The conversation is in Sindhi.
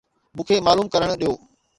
مون کي معلوم ڪرڻ ڏيو